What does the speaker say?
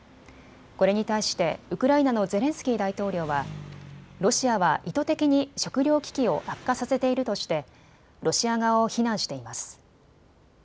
これに対してウクライナのゼレンスキー大統領はロシアは意図的に食料危機を悪化させているとしてロシア側を非難しています。